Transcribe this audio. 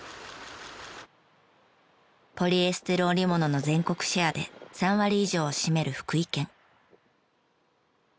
ポリエステル織物の全国シェアで３割以上を占める福井県。